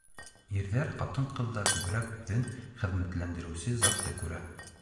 Ирҙәр ҡатын-ҡыҙҙа күберәк үҙен хеҙмәтләндереүсе затты күрә.